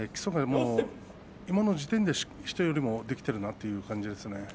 今の時点でできているなという感じです。